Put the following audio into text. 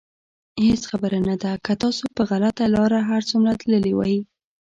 هېڅ خبره نه ده که تاسو په غلطه لاره هر څومره تللي وئ.